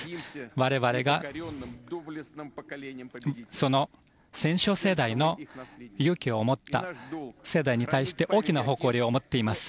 我々がその戦勝世代の勇気を持った世代に対して大きな誇りを持っています。